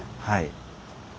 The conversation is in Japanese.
はい。